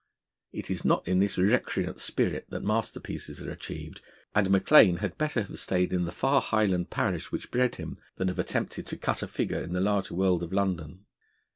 It is not in this recreant spirit that masterpieces are achieved, and Maclaine had better have stayed in the far Highland parish, which bred him, than have attempted to cut a figure in the larger world of London.